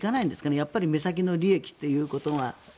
やっぱり目先の利益ということが。